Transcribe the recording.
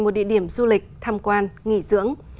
một địa điểm du lịch tham quan nghỉ dưỡng